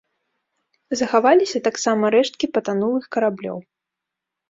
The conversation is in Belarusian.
Захаваліся таксама рэшткі патанулых караблёў.